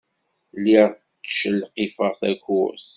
Lliɣ ttcelqifeɣ takurt.